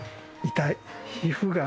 痛い。